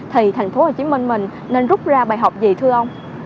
thì tp hcm mình nên rút ra bài học gì thưa ông